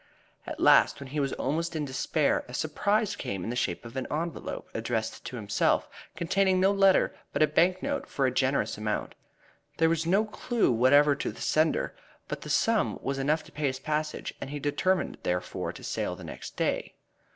At last, when he was almost in despair, a surprise came in the shape of an envelop addressed to himself, containing no letter, but a bank note for a generous amount. There was no clue whatever to the sender, but the sum was enough to pay his passage and he determined therefore to sail next day.